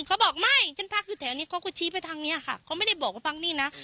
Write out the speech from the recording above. เขาบอกไม่ฉันพักอยู่แถวนี้เขาก็ชี้ไปทางเนี้ยค่ะเขาไม่ได้บอกว่าพักนี่นะ